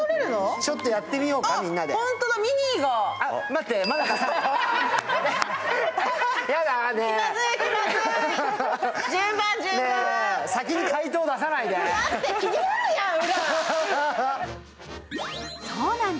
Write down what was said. ちょっとやってみようか、みんなで。